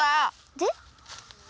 で。